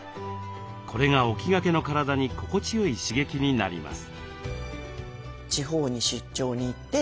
これが起きがけの体に心地よい刺激になります。